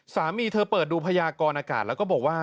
สามีเธอเปิดดูพยากรอากาศแล้วก็บอกว่า